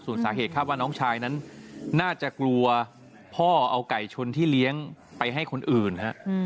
ส่วนสาเหตุคาดว่าน้องชายนั้นน่าจะกลัวพ่อเอาไก่ชนที่เลี้ยงไปให้คนอื่นฮะ